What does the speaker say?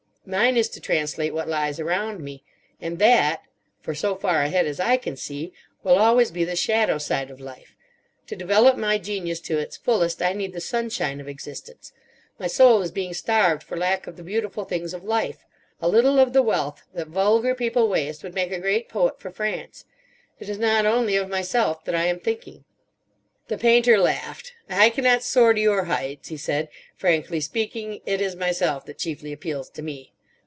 Mine is to translate what lies around me; and that, for so far ahead as I can see, will always be the shadow side of life. To develop my genius to its fullest I need the sunshine of existence. My soul is being starved for lack of the beautiful things of life. A little of the wealth that vulgar people waste would make a great poet for France. It is not only of myself that I am thinking." The Painter laughed. "I cannot soar to your heights," he said. "Frankly speaking, it is myself that chiefly appeals to me.